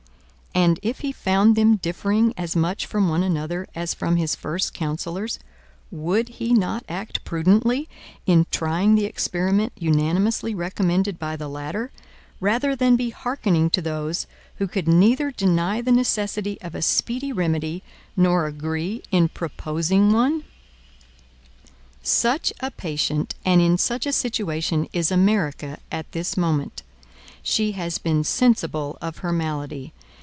And if he found them differing as much from one another as from his first counsellors, would he not act prudently in trying the experiment unanimously recommended by the latter, rather than be hearkening to those who could neither deny the necessity of a speedy remedy, nor agree in proposing one? Such a patient and in such a situation is America at this moment. She has been sensible of her malady.